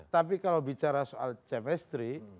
tapi kalau bicara soal chemistry